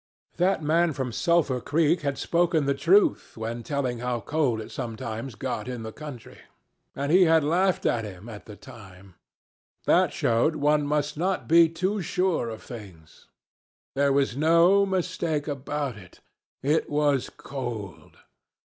That man from Sulphur Creek had spoken the truth when telling how cold it sometimes got in the country. And he had laughed at him at the time! That showed one must not be too sure of things. There was no mistake about it, it was cold.